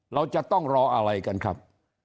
เราจะต้องรออะไรกันครับ